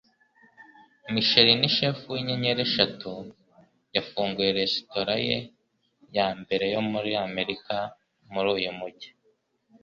Michelin chef w'inyenyeri eshatu yafunguye resitora ye ya mbere yo muri Amerika muri uyu mujyi